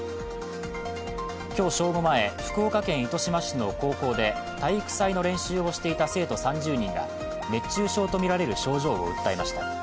今日、正午前、福岡県糸島市の高校で、体育祭の練習をしていた生徒３０人が熱中症とみられる症状を訴えました。